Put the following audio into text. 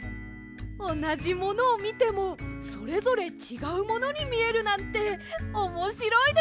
おなじものをみてもそれぞれちがうものにみえるなんておもしろいですね！